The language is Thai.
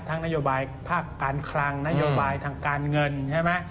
นโยบายภาคการคลังนโยบายทางการเงินใช่ไหม